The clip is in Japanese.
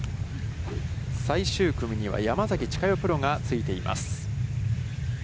最終組には、山崎千佳代プロがついています。